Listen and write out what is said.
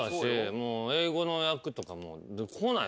もう英語の役とか来ない